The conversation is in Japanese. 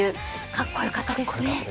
かっこよかったですね。